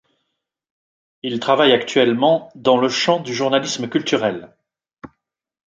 Il travaille actuellement dans le champ du journalisme culturel.